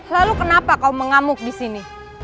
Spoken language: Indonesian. lalu kenapa kau mengamuk disini